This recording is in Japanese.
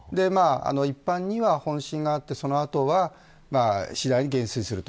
一般には、本震があってそのあと次第に減衰する。